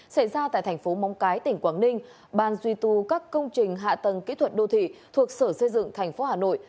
xảy ra tại thành phố móng cái tỉnh quảng ninh ban duy tu các công trình hạ tầng kỹ thuật đô thị thuộc sở xây dựng thành phố hà nội